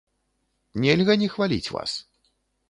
Нельга не хваліць вас.